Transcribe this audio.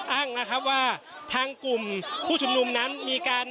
อ้างนะครับว่าทางกลุ่มผู้ชุมนุมนั้นมีการ